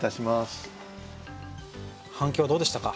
反響どうでしたか？